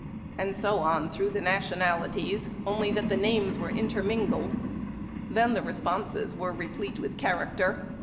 and so on through the nationalities, only that the names were intermingled. Then, the responses were replete with character.